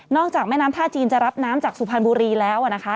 จากแม่น้ำท่าจีนจะรับน้ำจากสุพรรณบุรีแล้วนะคะ